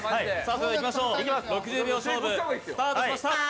それではいきましょう、スタートしました。